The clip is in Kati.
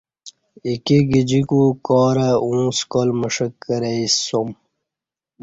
ایکی گجیکو کارہ اوں سکال مݜہ کرہ ییسوم